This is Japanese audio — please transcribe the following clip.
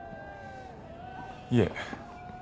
いえ。